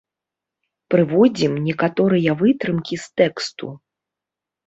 Прыводзім некаторыя вытрымкі з тэксту.